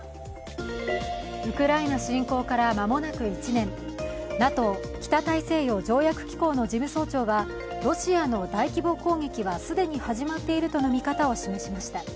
ウクライナ侵攻から間もなく１年ＮＡＴＯ＝北大西洋条約機構の事務総長はロシアの大規模攻撃は既に始まっているとの見方を示しました。